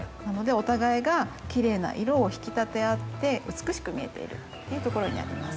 お互いがきれいな色を引き立て合って美しく見えているというところにあります。